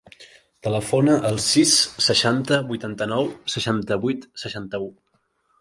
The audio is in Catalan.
Telefona al sis, seixanta, vuitanta-nou, seixanta-vuit, seixanta-u.